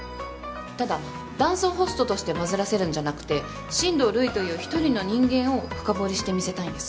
ただ男装ホストとしてバズらせるんじゃなくて神童ルイという１人の人間を深掘りして見せたいんです。